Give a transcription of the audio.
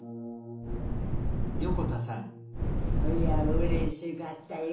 うれしかったよ。